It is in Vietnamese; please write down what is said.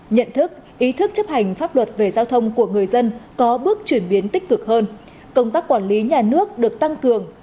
nhận thức ý thức chấp hành pháp luật về giao thông của người dân có bước chuyển biến tích cực hơn công tác quản lý nhà nước được tăng cường